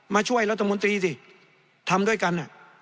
มาช่วยรัฐมนตรีสิทำด้วยกัน